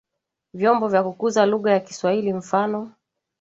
vyombo vya kukuza lugha ya kiswahili mfano